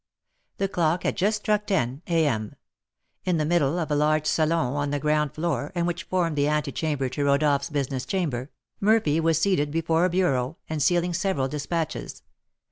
The clock had just struck ten, A.M. In the middle of a large salon on the ground floor and which formed the antechamber to Rodolph's business chamber, Murphy was seated before a bureau, and sealing several despatches.